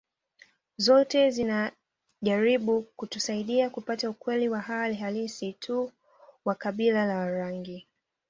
Zote zinajaribu kutusaidia kupata ukweli wa hali halisi tu wa kabila la Warangi